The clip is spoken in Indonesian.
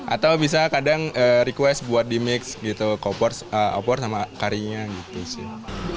atau bisa kadang request buat di mix gitu opor sama karinya gitu sih